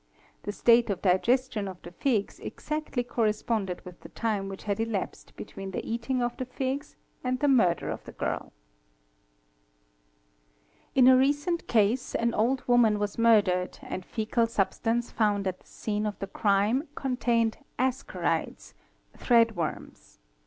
The state of digestion of the figs exactly corresponded with the time which had elapsed between the eating of the figs and the murder of _ the gir] ©", In a recent case "®, an old woman was murdered, and foecal substance found at the scene of the crime contained ascarides (thread worms).